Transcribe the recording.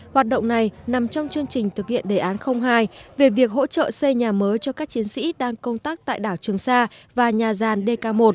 hoạt động này nằm trong chương trình thực hiện đề án hai về việc hỗ trợ xây nhà mới cho các chiến sĩ đang công tác tại đảo trường sa và nhà gian dk một